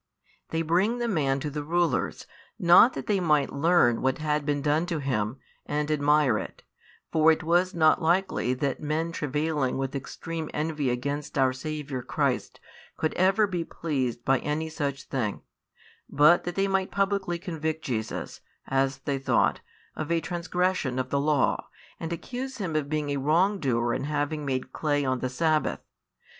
They bring the man to the rulers, not that they might learn what had been done to him, and admire it; for it was not likely that men travailing with extreme envy against our Saviour Christ could ever be pleased by any such thing; but that they might publicly convict Jesus, as they thought, of a transgression of the law, and accuse Him of being a wrong doer in having made clay on the sabbath.